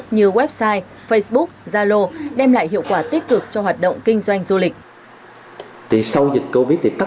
như website facebook zalo đem lại hiệu quả tích cực cho hoạt động kinh doanh du lịch